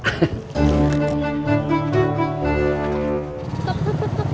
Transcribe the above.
tuk tuk tuk